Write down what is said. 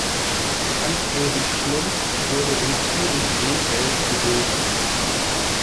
Hans-Ulrich Schlumpf wurde in Zürich-Seefeld geboren.